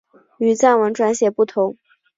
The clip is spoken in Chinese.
与藏文转写不同。